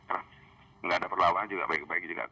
tidak ada perlawanan juga baik baik juga